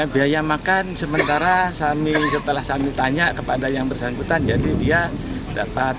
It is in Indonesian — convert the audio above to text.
biaya makan sementara setelah kami tanya kepada yang bersangkutan jadi dia dapat